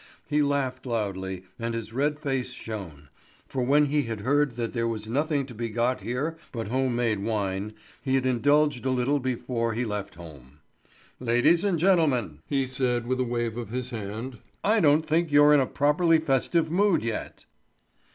He laughed loudly, and his red face shone; for when he had heard that there was nothing to be got here but home made wine, he had indulged a little before he left home. "Ladies and gentlemen," he said, with a wave of his hand, "I don't think you're in a properly festive mood yet."